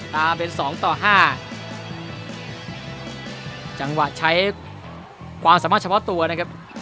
ตามเป็นสองต่อห้าจังหวะใช้ความสามารถเฉพาะตัวนะครับ